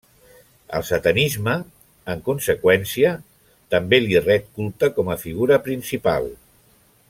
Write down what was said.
El satanisme, en conseqüència, també li ret culte com a figura principal.